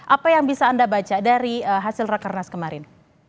apa yang bisa anda baca dari hasil rekernas kemarin